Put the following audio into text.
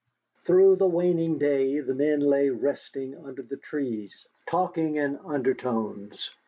Through the waning day the men lay resting under the trees, talking in undertones.